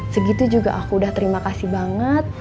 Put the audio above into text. segitu juga aku udah terima kasih banget